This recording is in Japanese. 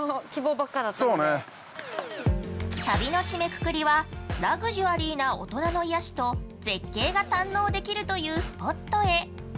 ◆旅の締めくくりは、ラグジュアリーの大人の癒やしと絶景が堪能できるというスポットへ。